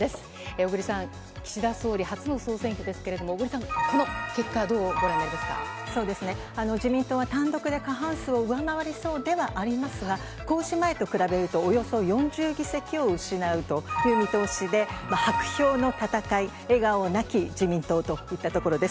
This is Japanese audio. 小栗さん、岸田総理、初の総選挙ですけれども、小栗さん、そうですね、自民党は単独で過半数を上回りそうではありますが、公示前と比べると、およそ４０議席を失うという見通しで、薄氷の戦い、笑顔なき自民党といったところです。